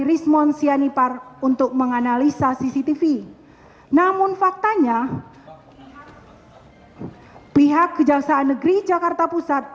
rismond sianipar untuk menganalisa cctv namun faktanya pihak kejaksaan negeri jakarta pusat